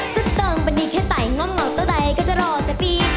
ก็เติมไปนี่แค่ใส่ง้อเหมาเท่าไหร่ก็จะรอแต่ปี